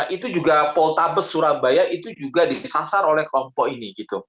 dua ribu delapan belas itu juga poltabes surabaya itu juga disasar oleh kelompok ini